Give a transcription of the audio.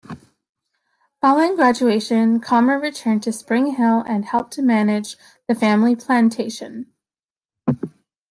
Following graduation, Comer returned to Spring Hill and helped to manage the family plantation.